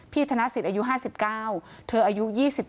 พี่ธนสิตอายุ๕๙เธออายุ๒๗